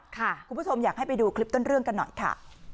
คุณผู้ชมอยากให้ไปดูคลิปต้นเรื่องกันหน่อยค่ะ